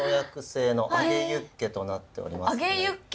揚げユッケ？